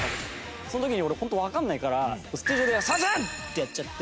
その時に俺ホントわかんないからステージ上で「すみません！」ってやっちゃって。